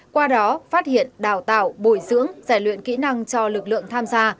qua đó phát hiện đào tạo bồi dưỡng giải luyện kỹ năng cho lực lượng tham gia